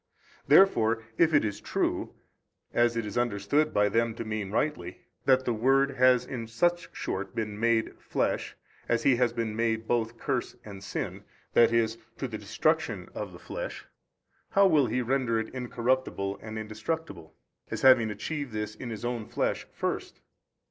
A. Therefore if it is true, as it is understood by them to mean rightly, that the Word has in such sort been MADE flesh, as He has been MADE both curse and sin; i. e. to the destruction of the flesh; how will He render it incorruptible and indestructible, as having achieved this in His own Flesh first?